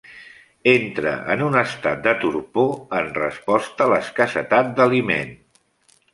Entra en un estat de torpor en resposta a l'escassetat d'aliment.